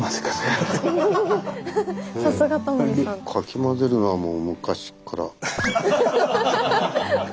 かき混ぜるのはもう昔から。